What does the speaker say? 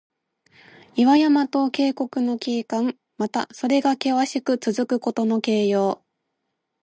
岩山と渓谷の景観。また、それがけわしくつづくことの形容。